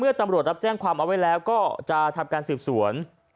ตำรวจรับแจ้งความเอาไว้แล้วก็จะทำการสืบสวน